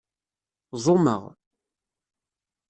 Ẓumeɣ.